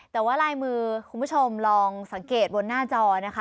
แต่ว่าลายมือคุณผู้ชมลองสังเกตบนหน้าจอนะคะ